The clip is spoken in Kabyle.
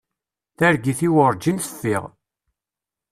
Targit-w urǧin teffiɣ.